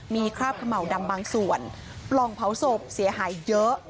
มีคราบเขม่าวดำบางส่วนปล่องเผาศพเสียหายเยอะ